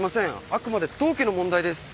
あくまで当家の問題です。